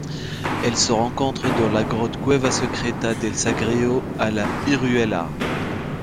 Elle se rencontre dans la grotte Cueva Secreta del Sagreo à La Iruela.